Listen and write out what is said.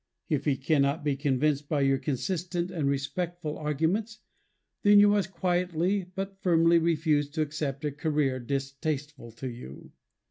If he cannot be convinced by your consistent and respectful arguments, then you must quietly, but firmly, refuse to accept a career distasteful to you.